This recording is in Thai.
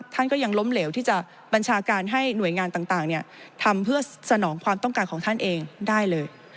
ท่านก็ยังล้มเหลวที่จะบัญชาการให้หน่วยงานต่างทำเพื่อสนองความต้องการของท่านเองได้เลย